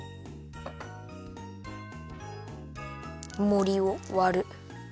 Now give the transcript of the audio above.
もりをわる。